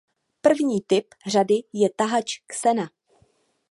První typ řady je tahač Xena.